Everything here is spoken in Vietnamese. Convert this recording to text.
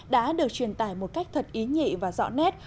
đã được truyền tải một cách thật ý nhị và rõ nét